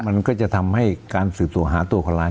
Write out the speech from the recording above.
มันก็จะทำให้การสืบสวนหาตัวคนร้าย